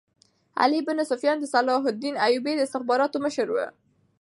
علي بن سفیان د صلاح الدین ایوبي د استخباراتو مشر وو.